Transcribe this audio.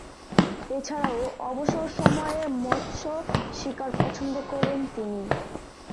এছাড়াও, অবসর সময়ে মৎস্য শিকার পছন্দ করেন তিনি।